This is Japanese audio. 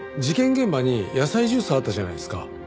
現場に野菜ジュースあったじゃないですか。